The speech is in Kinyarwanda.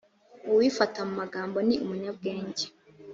uwifata mu magambo ni umunyabwenge